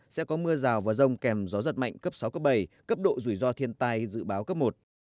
sẽ có mưa rào và rông kèm gió giật mạnh cấp sáu cấp bảy cấp độ rủi ro thiên tai dự báo cấp một